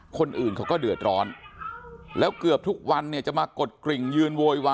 คนอื่นเขาก็เดลำแล้วเกือบทุกวันในจะมากดกริ่งยืนโวยวา